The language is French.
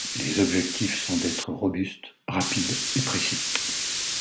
Les objectifs sont d'être robuste, rapide et précis.